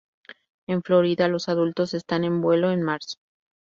En Florida, los adultos están en vuelo en marzo.